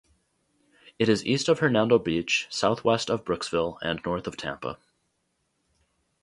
It is east of Hernando Beach, southwest of Brooksville, and north of Tampa.